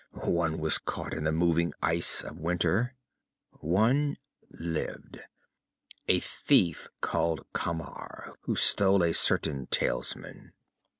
One was caught in the moving ice of winter. One lived. A thief named Camar, who stole a certain talisman."